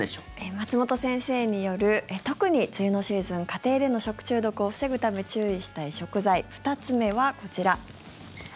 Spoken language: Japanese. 松本先生による特に梅雨のシーズン家庭での食中毒を防ぐため注意したい食材２つ目はこちら。